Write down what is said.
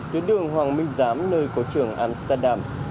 tuyến đường hoàng minh giám nơi có trường amsterdam